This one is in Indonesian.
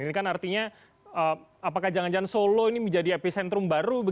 ini kan artinya apakah jangan jangan solo ini menjadi epicentrum baru